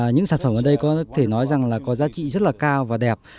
những sản phẩm ở đây có thể nói rằng là có giá trị rất là cao và đẹp